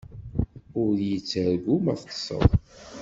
Ur yi-ttargu ma teṭṭseḍ.